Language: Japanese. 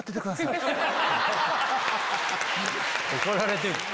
怒られてる。